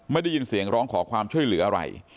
ไม่ได้ยินเสียงร้องขอความช่วยเหลืออะไร